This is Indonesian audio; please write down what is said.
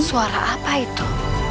suara apa itu